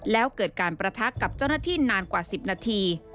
แล้วเกิดการประทักกับเจ้าหน้าที่นานกว่า๑๐นาที